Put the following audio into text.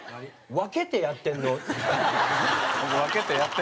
分けてやってるの？